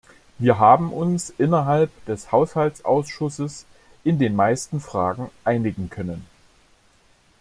Wir haben uns innerhalb des Haushaltsausschusses in den meisten Fragen einigen können.